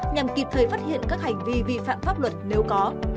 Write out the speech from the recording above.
nhằm kịp thời phát hiện các hành vi vi phạm pháp luật nếu có